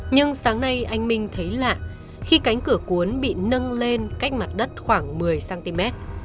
nhưng sáng nay anh minh thấy lạ khi cánh cửa cuốn bị nâng lên cách mặt đất khoảng một mươi cm